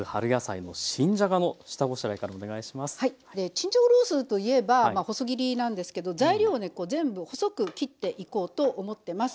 チンジャオロースーといえば細切りなんですけど材料をねこう全部細く切っていこうと思ってます。